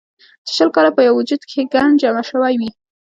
چې شل کاله پۀ يو وجود کښې ګند جمع شوے وي